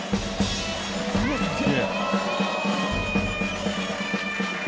うわっすげえ。